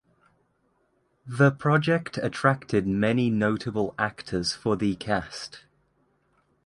The project attracted many notable actors for the cast.